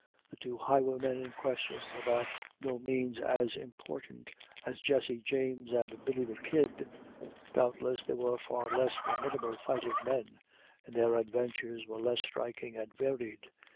The two highwaymen in question were by no means as important as Jesse James and Billy the Kid; doubtless they were far less formidable fighting men, and their adventures were less striking and varied.